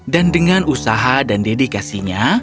dan dengan usaha dan dedikasinya